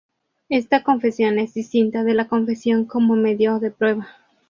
Esta confesión es distinta de la confesión como medio de prueba.